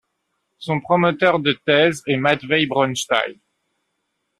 Son promoteur de thèse est Matveï Bronstein.